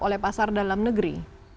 oleh pasar dalam negeri